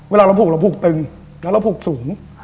เวลาเราผูกเราผูกตึงแล้วเราผูกสูง